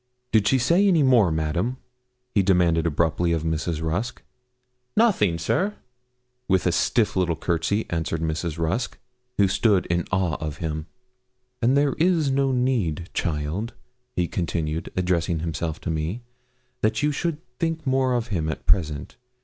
Did she say any more, madam?' he demanded abruptly of Mrs. Rusk. 'Nothing, sir,' with a stiff little courtesy, answered Mrs. Rusk, who stood in awe of him. 'And there is no need, child,' he continued, addressing himself to me, 'that you should think more of him at present.